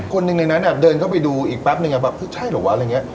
คนนึงนั้นเนี่ยเดินเข้าไปดูอีกแป๊บนึงแบบใช่หรือวะอะไรอย่างเงี้ย